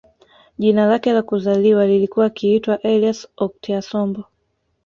Jina lake la kuzaliwa lilikuwa akiitwa Elias OkitAsombo